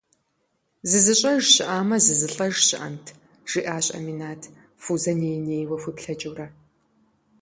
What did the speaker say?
«Зызыщӏэж щыӏамэ зызылӏэж щыӏэнт?» - жиӏащ Аминат, Фузэ ней-нейуэ хуеплъэкӏыурэ.